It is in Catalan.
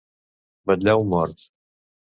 Vetllar un mort.